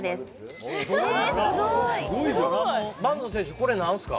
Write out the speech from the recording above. これ何すか？